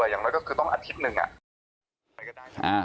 อย่างน้อยก็คือต้องอาทิตย์หนึ่งอะ